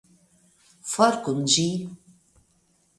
For kun ĝi!